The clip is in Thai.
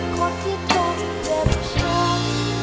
คนที่ต้องเจ็บช้ำ